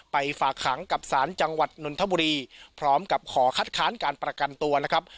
ฝากขังกับศาลจังหวัดนนทบุรีพร้อมกับขอคัดค้านการประกันตัวนะครับ